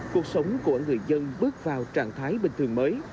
cuộc sống của người dân bước vào trạng thái bình thường mới